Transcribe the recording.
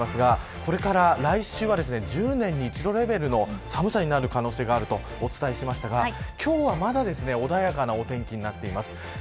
これから来週は１０年に一度レベルの寒さになる可能性があるとお伝えしましたが今日はまだ穏やかなお天気となっています。